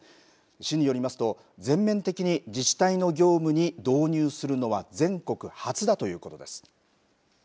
市によりますと全面的に自治体の業務に導入するのは全国初だということです。